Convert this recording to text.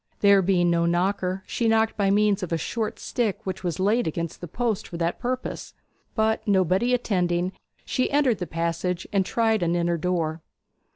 There being no knocker, she knocked by means of a short stick which was laid against the post for that purpose; but nobody attending, she entered the passage, and tried an inner door.